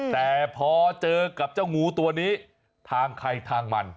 แต่พอเจอกับเจ้างูตัวนี้ทางใครทางมัน